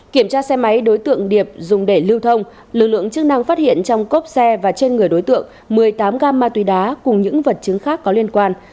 kiểm tra xe máy đối tượng điệp dùng để lưu thông lực lượng chức năng phát hiện trong cốp xe và trên người đối tượng một mươi tám gam ma túy đá cùng những vật chứng khác có liên quan